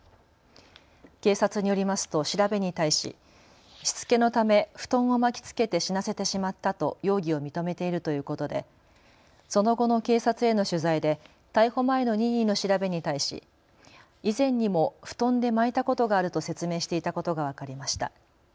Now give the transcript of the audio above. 警察によりますと調べに対ししつけのため布団を巻きつけて死なせてしまったと容疑を認めているということでその後の警察への取材で逮捕前の任意の調べに対し以前にも布団で巻いたことがあると説明していたことが分かりました。